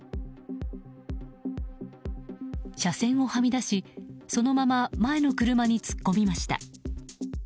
車線をはみ出しそのまま前の車に突っ込みました。